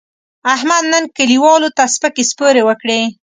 احمد نن کلیوالو ته سپکې سپورې وکړې.